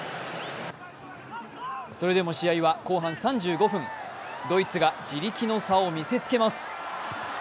それでも試合は後半３５分ドイツが地力の差を見せつけます。